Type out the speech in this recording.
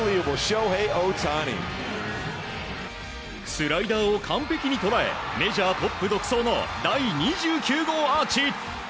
スライダーを完璧に捉えメジャートップ独走の第２９号アーチ！